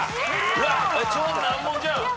うわっ超難問じゃん。